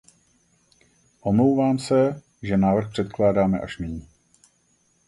Omlouvám se, že návrh předkládáme až nyní.